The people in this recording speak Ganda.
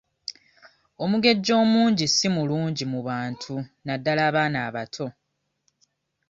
Omugejjo omungi si mulungi mu bantu naddala abaana abato.